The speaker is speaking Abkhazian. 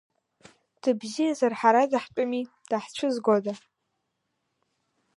Дыбзиазар ҳара даҳтәыми, даҳцәызгода.